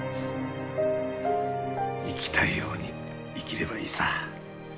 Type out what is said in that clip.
生きたいように生きればいいさ。